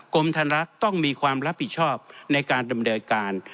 กรมธนรักษ์ต้องมีความรับผิดชอบในการดำเนินการ